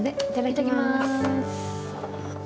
いただきます。